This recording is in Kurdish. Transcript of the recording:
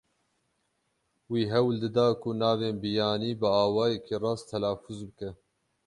Wî hewl dida ku navên biyanî bi awayekî rast telafûz bike.